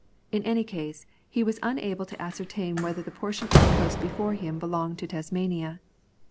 In any case, he was unable to ascertain whether the portion of the coast before him belonged to Tasmania.